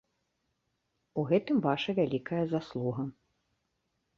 У гэтым ваша вялікая заслуга.